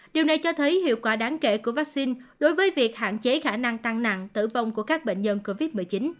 điều này cho thấy hiệu quả đáng kể của vaccine đối với việc hạn chế khả năng tăng nặng tử vong của các bệnh nhân covid một mươi chín